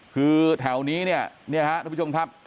คือแถวนี้เนี่ยฮะทุกผู้ชมครับ